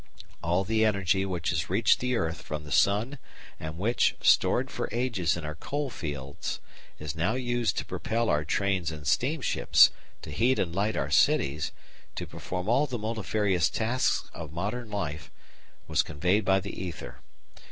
All the energy which has reached the earth from the sun and which, stored for ages in our coal fields, is now used to propel our trains and steamships, to heat and light our cities, to perform all the multifarious tasks of modern life, was conveyed by the ether.